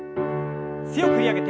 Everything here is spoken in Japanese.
強く振り上げて。